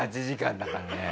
４８時間だからね。